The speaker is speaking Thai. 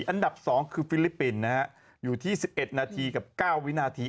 อันดับสองคือฟิลิปปินนะฮะอยู่ที่สิบเอ็ดนาทีกับเก้าวินาที